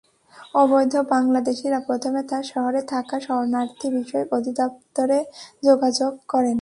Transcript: অবৈধ বাংলাদেশিরা প্রথমে তার শহরে থাকা শরণার্থী বিষয়ক অধিদপ্তরে যোগাযোগ করেন।